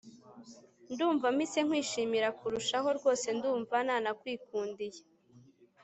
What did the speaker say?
ndumva mpise nkwishimira kurushaho rwose ndumva nanakwikundiye